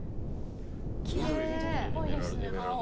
緑っぽいですね。